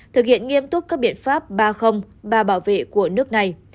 thực hiện nghiêm túc các biện pháp ba ba bảo vệ của nước này